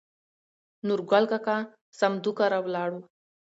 نورګل کاکا سمدو کره ولاړو.